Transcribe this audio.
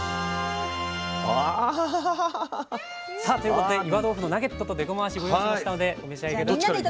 さあということで岩豆腐のナゲットとでこまわしご用意しましたのでお召し上がり下さい。